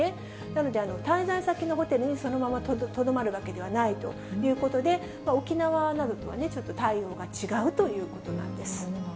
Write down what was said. なので、滞在先のホテルにそのままとどまるわけではないということで、沖縄などとはちょっと対応が違うということなんです。